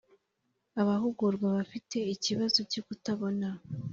Abahugurwa bafite ikibazo cyo kutabona